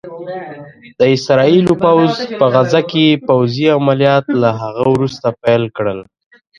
د اسرائيلو پوځ په غزه کې پوځي عمليات له هغه وروسته پيل کړل